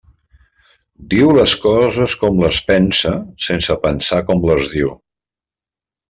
Diu les coses com les pensa sense pensar com les diu.